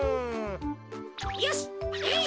よしえい！